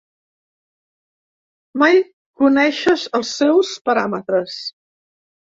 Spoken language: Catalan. Mai coneixes els seus paràmetres.